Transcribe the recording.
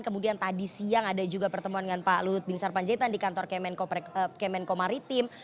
kemudian tadi siang ada juga pertemuan dengan pak lut bin sarpanjaitan di kantor kemenko maritim